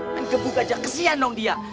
kan gebuk aja kesian dong dia